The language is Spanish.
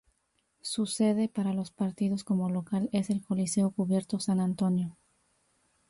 Su sede para los partidos como local es el Coliseo Cubierto San Antonio.